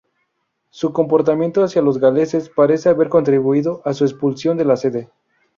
Su comportamiento hacia los galeses parece haber contribuido a su expulsión de la sede.